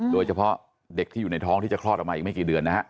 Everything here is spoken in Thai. โดยเฉพาะเด็กที่อยู่ในท้องที่จะคลอดออกมาอีกไม่กี่เดือนนะฮะ